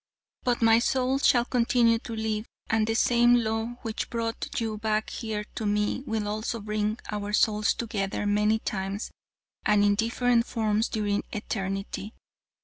"But my soul shall continue to live, and the same law which brought you back here to me will also bring our souls together many times and in different forms during eternity.